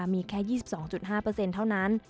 มีแค่๒๒๕เท่านั้น